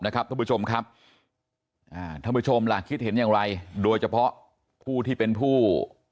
นะครับชมครับชมแล้วคิดเห็นอย่างไรด้วยจะเพาะผู้ที่เป็นผู้